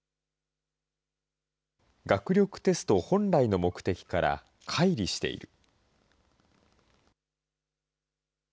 学力テスト本来の目的からかい離している。